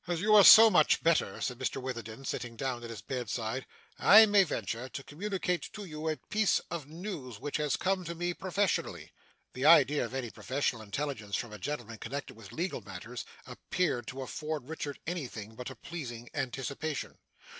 'As you are so much better,' said Mr Witherden, sitting down at the bedside, 'I may venture to communicate to you a piece of news which has come to me professionally.' The idea of any professional intelligence from a gentleman connected with legal matters, appeared to afford Richard any thing but a pleasing anticipation.